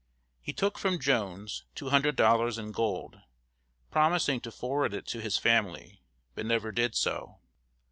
He took from Jones two hundred dollars in gold, promising to forward it to his family, but never did so.